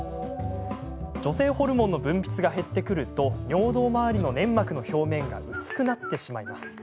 女性ホルモンの分泌が減ってくると尿道周りの粘膜の表面が薄くなってしまいます。